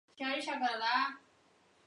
前身是中国科学院中国历史研究所。